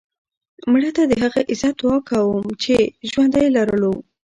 مړه ته د هغه عزت دعا کوو کوم یې چې ژوندی لرلو